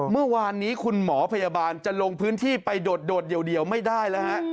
เมื่อวานนี้คุณหมอพยาบาลจะลงพื้นที่ไปโดดเดียวไม่ได้แล้วฮะ